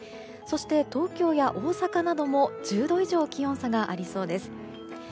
そして東京や大阪なども１０度以上気温差がありそうです。